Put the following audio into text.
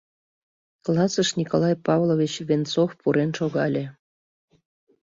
Классыш Николай Павлович Венцов пурен шогале.